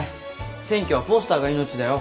選挙はポスターが命だよ。